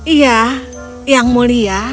iya yang mulia